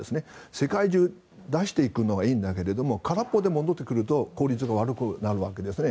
世界中、出していくのはいいんだけれども空っぽで戻ってくると効率が悪くなるわけですね。